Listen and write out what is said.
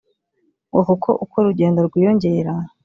ngo kuko uko urugendo rwiyongera